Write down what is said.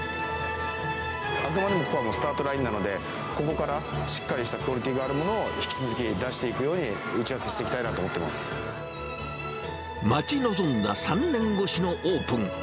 あくまでもこれはスタートラインなので、ここからしっかりしたクオリティーのあるものを引き続き出してい待ち望んだ３年越しのオープン。